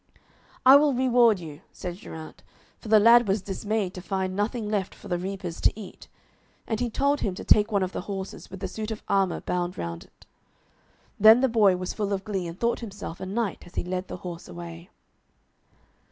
'I will reward you,' said Geraint, for the lad was dismayed to find nothing left for the reapers to eat. And he told him to take one of the horses, with the suit of armour bound round it. Then the boy was full of glee, and thought himself a knight, as he led the horse away.